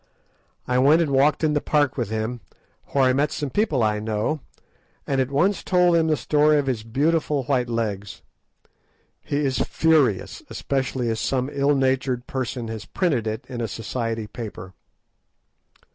I went and walked in the park with him, where I met some people I know, and at once told them the story of his "beautiful white legs." He is furious, especially as some ill natured person has printed it in a Society paper.